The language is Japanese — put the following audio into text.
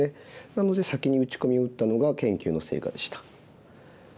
なので先に打ち込みを打ったのが研究の成果でした。